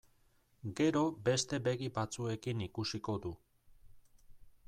Gero beste begi batzuekin ikusiko du.